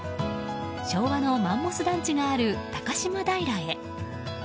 昭和のマンモス団地がある高島平へ。